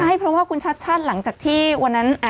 ใช่เพราะว่าคุณชัดชาติหลังจากที่วันนั้น